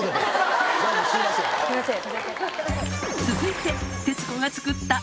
すいません。